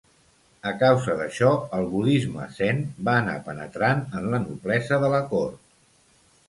A causa d'això, el budisme zen va anar penetrant en la noblesa de la cort.